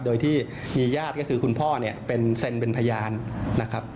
โดยที่มีญาติก็คือคุณพ่อเนี่ยเป็นเซ็นเป็นพยานนะครับ